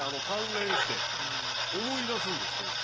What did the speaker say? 関連して思い出すんですって。